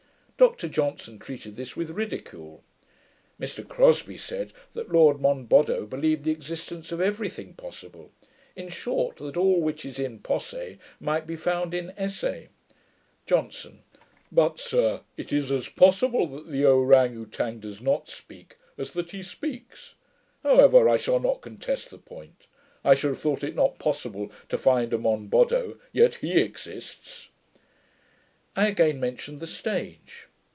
Dr Johnson treated this with ridicule. Mr Crosbie said, that Lord Monboddo believed the existence of every thing possible; in short, that all which is in posse might be found in esse. JOHNSON. 'But, sir, it is as possible that the Ouran Outang does not speak, as that he speaks. However, I shall not contest the point. I should have thought it not possible to find a Monboddo; yet HE exists.' I again mentioned the stage.